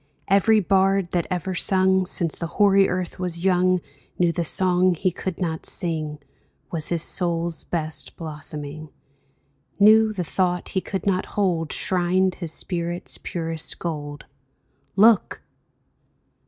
Every bard that ever sung Since the hoary earth was young Knew the song he could not sing 300 A DREAM OF SONGS UNSUNG Was his soul's best blossoming, Knew the thought he could not hold Shrined his spirit's purest gold. Look